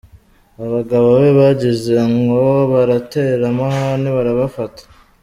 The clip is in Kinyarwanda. Abagabo be bagize ngo baratera amahane barabafata.